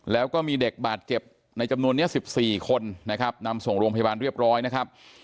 แล้วก็มีเด็กบาดเจ็บในจำนวนนี้๑๔คนนะครับนำส่งโรงพยาบาลเรียบร้อยนะครับ